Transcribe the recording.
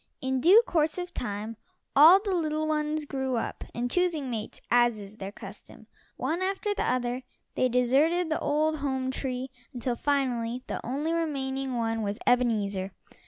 In due course of time all the little ones grew up, and choosing mates, as is their custom, one after the other they deserted the old home tree until finally the only remaining one was Ebenezer.